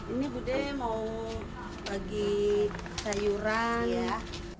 ini bude mau bagi sayuran ya